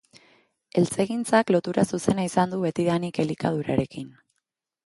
Eltzegintzak lotura zuzena izan du betidanik elikadurarekin